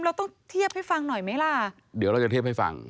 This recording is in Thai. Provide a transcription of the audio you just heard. เราต้องเทียบให้ฟังหน่อยไหมล่ะเดี๋ยวเราจะเทียบให้ฟัง